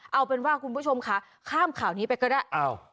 เอาเป็นว่าคุณผู้ชมค่ะข้ามข่าวนี้ไปก็ได้